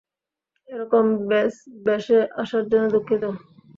এরকম বেশে আসার জন্য দুঃখিত।